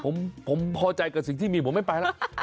ผมพอใจกับสิ่งที่มีผมไม่ไปแล้ว